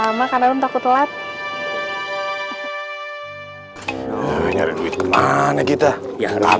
lama lama karena takut telat nyari nyari kemana kita yang nanti